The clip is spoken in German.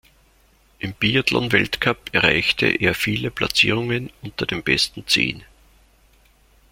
Im Biathlon-Weltcup erreichte er viele Platzierungen unter den besten Zehn.